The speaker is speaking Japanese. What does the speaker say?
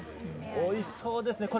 おいしそうですね。